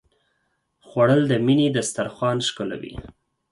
خوړل د مینې دسترخوان ښکلوي